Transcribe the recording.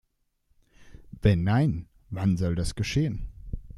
Wenn nein, wann soll das geschehen?